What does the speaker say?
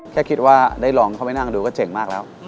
แค่คิดว่าได้ลองเข้าไปนั่งดูก็เจ๋งมากแล้ว